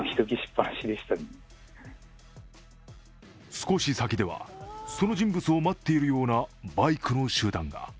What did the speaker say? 少し先では、その人物を待っているようなバイクの集団が。